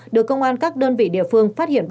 được công an các đơn vị địa phương phát hiện